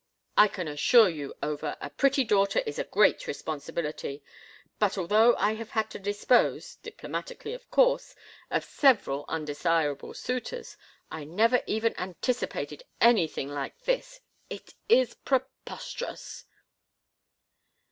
I can assure you, Over, a pretty daughter is a great responsibility; but although I have had to dispose—diplomatically, of course—of several undesirable suitors, I never even anticipated anything like this. It is preposterous."